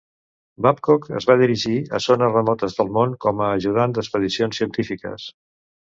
Babcock es va dirigir a zones remotes del món com a ajudant d'expedicions científiques.